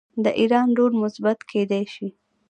د ایران رول مثبت کیدی شي.